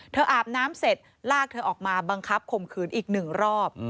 อาบน้ำเสร็จลากเธอออกมาบังคับข่มขืนอีกหนึ่งรอบ